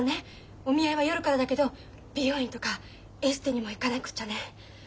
お見合いは夜からだけど美容院とかエステにも行かなくっちゃね。